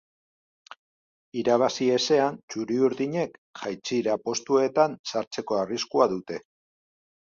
Irabazi ezean txuri-urdinek jaitsiera postuetan sartzeko arriskua dute.